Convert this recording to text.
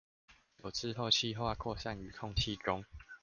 久置後汽化擴散於空氣中